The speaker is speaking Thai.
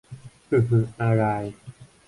หึหึอาราย